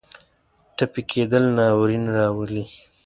ټپي کېدل ناورین راولي.